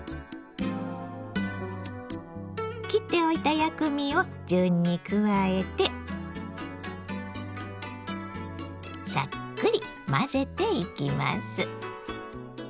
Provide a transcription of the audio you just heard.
切っておいた薬味を順に加えてサックリ混ぜていきます。